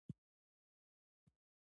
راځئ چې خپل کلتور په ګډه وساتو.